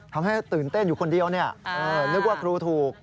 ทำให้ตื่นเต้นอยู่คนเดียวนึกว่าครูถูก